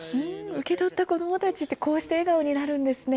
受け取った子どもたちってこうして笑顔になるんですね。